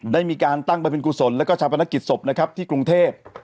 ได้มีการตั้งไปเป็นกุศลแล้วก็ชาปนกิจศพนะครับที่กรุงเทพ